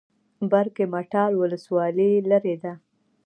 برګ مټال ولسوالۍ لیرې ده؟